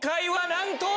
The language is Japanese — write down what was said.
なんと？